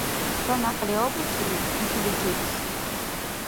Ца някъли гьабуцили, итилли кебисан.